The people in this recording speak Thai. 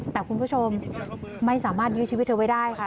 แต่คุณผู้ชมไม่สามารถยื้อชีวิตเธอไว้ได้ค่ะ